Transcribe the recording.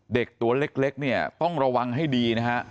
เด็กตัวเล็กเนี่ยต้องระวังให้ดีนะฮะ